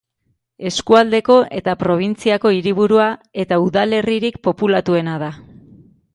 Eskualdeko eta probintziako hiriburua eta udalerririk populatuena da.